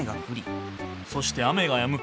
そして雨がやむ。